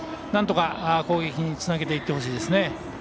なんとか、攻撃につなげていってほしいですね。